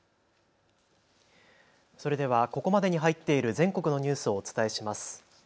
それではここまでに入っている全国のニュースをお伝えします。